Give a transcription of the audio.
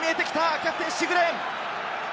キャプテン、シグレン。